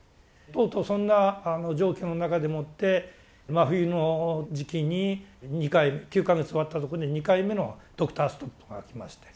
とうとうそんな状況の中でもって冬の時期に２回目９か月終わったとこで２回目のドクターストップがきまして。